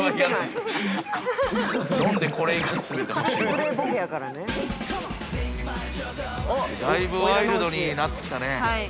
だいぶワイルドになってきたはい。